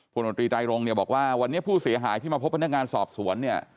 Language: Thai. บนตรีไตรรงเนี่ยบอกว่าวันนี้ผู้เสียหายที่มาพบพนักงานสอบสวนเนี่ย